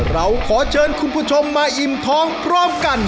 เราขอเชิญคุณผู้ชมมาอิ่มท้องพร้อมกัน